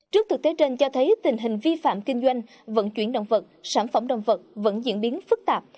trước thực tế trên cho thấy tình hình vi phạm kinh doanh vận chuyển động vật sản phẩm động vật vẫn diễn biến phức tạp